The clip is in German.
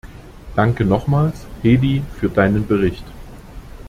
Danke nochmals, Hedy, für Deinen Bericht.